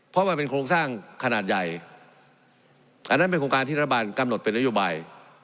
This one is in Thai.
เพราะมันเป็นโครงสร้างขนาดใหญ่อันนั้นเป็นโครงการที่รัฐบาลกำหนดเป็นนโยบาย